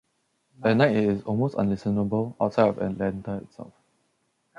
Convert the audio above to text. At night, it is almost unlistenable outside of Atlanta itself.